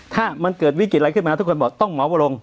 ถ้ามันเกิดวิกฤตอะไรขึ้นมาทุกคนบอกต้องหมอวรง